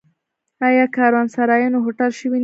آیا کاروانسرایونه هوټل شوي نه دي؟